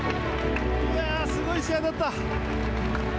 いやあ、すごい試合だった。